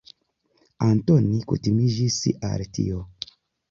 Antoni kutimiĝis al tio.